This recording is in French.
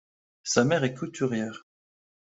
Sa mère est couturière.